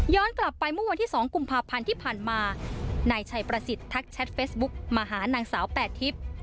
กลับไปเมื่อวันที่๒กุมภาพันธ์ที่ผ่านมานายชัยประสิทธิ์ทักแชทเฟซบุ๊กมาหานางสาวแปดทิพย์